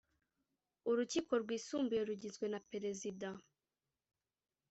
Urukiko Rwisumbuye rugizwe na Perezida